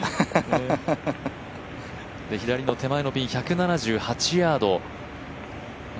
左の手前のピン、１７８ヤード。